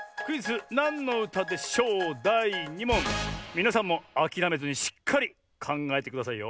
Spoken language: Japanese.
みなさんもあきらめずにしっかりかんがえてくださいよ。